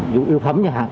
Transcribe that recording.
dụ yếu phẩm nhà hàng